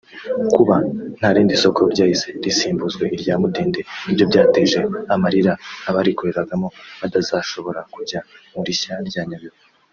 Kuba nta rindi soko ryahise risimbuzwa irya Mudende nibyo byateje amarira abarikoreragamo badazashobora kujya mu rishya rya Nyabihu